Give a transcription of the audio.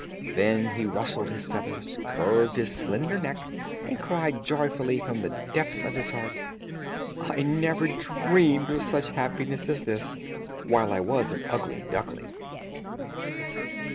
Then he rustled his feathers, curved his slender neck, and cried joyfully, from the depths of his heart, "I never dreamed of such happiness as this, while I was an ugly duckling."